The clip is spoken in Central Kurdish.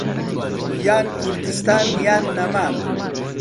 یان كوردستان یان نەمان